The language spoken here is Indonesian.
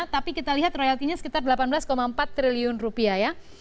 tapi kita lihat royaltinya sekitar delapan belas empat triliun rupiah ya